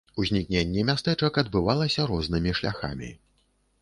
Узнікненне мястэчак адбывалася рознымі шляхамі.